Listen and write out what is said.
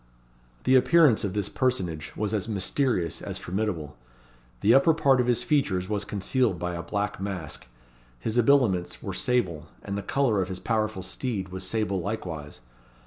The appearance of this personage was as mysterious as formidable. The upper part of his features was concealed by a black mask. His habiliments were sable; and the colour of his powerful steed was sable likewise.